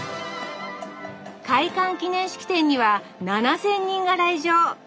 開館記念式典には７，０００人が来場スタジオすごい。